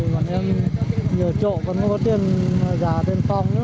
bọn em nhiều chỗ còn không có tiền giả tiền phòng nữa